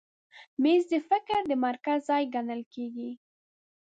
مېز د فکر د مرکز ځای ګڼل کېږي.